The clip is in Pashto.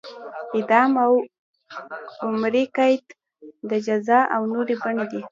اعدام او عمري قید د جزا نورې بڼې دي.